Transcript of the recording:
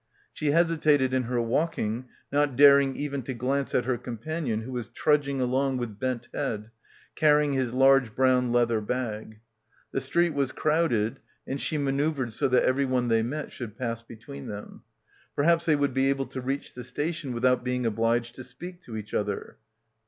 She hesi tated in her walking, not daring even to glance at her companion who was trudging along with bent head, carrying his large brown leather bag. The street was crowded and she manoeuvred so that everyone they met should pass between them. Perhaps they would be able to reach the station without being obliged to speak to each other.